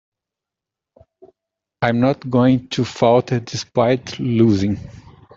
I'm not going to falter despite losing.